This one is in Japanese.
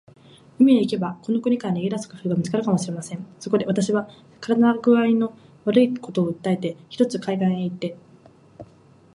海へ行けば、この国から逃げ出す工夫が見つかるかもしれません。そこで、私は身体工合の悪いことを訴えて、ひとつ海岸へ行って